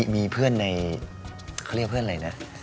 มีเพื่อนในเขาเรียกเพื่อนอะไรนะ